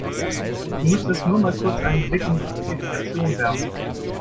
Du müsstest nur mal kurz einen Blick in die Spezifikation werfen.